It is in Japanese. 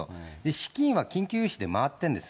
資金は緊急融資で回ってるんです。